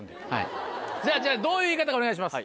どういう言い方かお願いします。